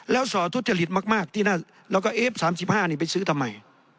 แล้วสอทุจริตมากที่นั่นเราก็เอ๊ะ๓๕นี่ไปซื้อทำไม